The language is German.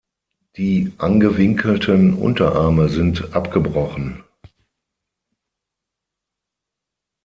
Die angewinkelten Unterarme sind abgebrochen.